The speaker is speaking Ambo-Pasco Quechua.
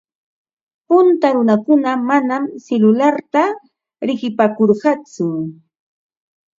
Punta runakuna manam silularta riqipaakurqatsu.